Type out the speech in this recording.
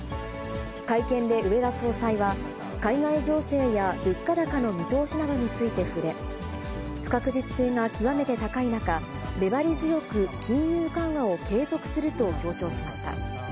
会見で植田総裁は、海外情勢や物価高の見通しなどについて触れ、不確実性が極めて高い中、粘り強く金融緩和を継続すると強調しました。